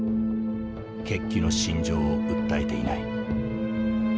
決起の真情を訴えていない。